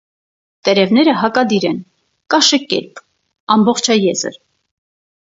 Տերևները հակադիր են, կաշեկերպ, ամբողջաեզր։